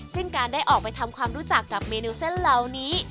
ซึ่งการได้ออกไปทำความรู้จักกับเมนูเส้นเหล่านี้